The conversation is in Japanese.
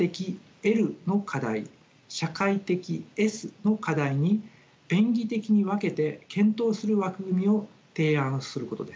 社会的の課題に便宜的に分けて検討する枠組みを提案することです。